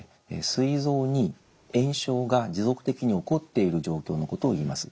すい臓に炎症が持続的に起こっている状況のことをいいます。